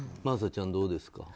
真麻ちゃん、どうですか。